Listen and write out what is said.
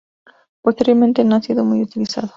Posteriormente no ha sido muy utilizado.